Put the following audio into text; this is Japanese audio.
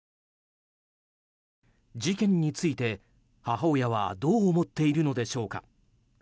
事件について母親はどう思っているのでしょうか。